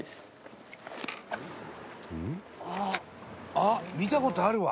「あっ見た事あるわ」